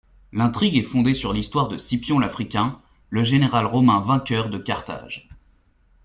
L'intrigue est fondée sur l'histoire de Scipion l'Africain, le général romain vainqueur de Carthage.